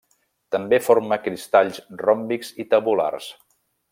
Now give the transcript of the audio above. També forma cristalls ròmbics i tabulars.